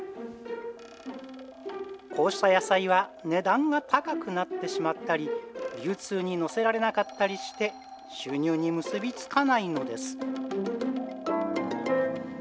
こうした野菜は値段が高くなってしまったり流通に乗せられなかったりして収入に結び付かないのです。